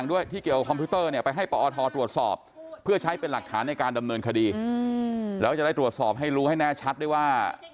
ในการดำเนินคดีแล้วจะได้ตรวจสอบให้รู้ให้แน่ชัดได้ว่า